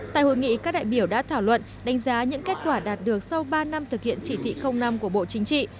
tại hội nghị các đại biểu đã thảo luận đánh giá những kết quả đạt được sau ba năm thực hiện chỉ thị năm của bộ chính trị